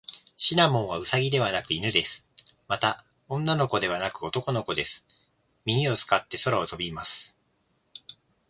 シナモンはウサギではなく犬です。また、女の子ではなく男の子です。耳を使って空を飛びます。